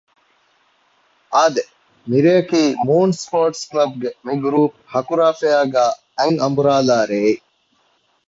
އާދެ! މިރެއަކީ މޫން ސްޕޯރޓްސް ކްލަބްގެ މިގްރޫޕް ހަކުރާފެއަރގައި އަތްއަނބުރާލާ ރެއެއް